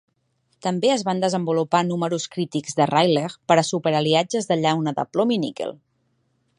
També es van desenvolupar números crítics de Rayleigh per a súper aliatges de llauna de plom i níquel.